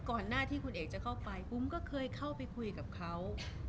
ก่อนหน้าที่คุณเอกจะเข้าไปปุ๊มก็เคยเข้าไปคุยกับเขา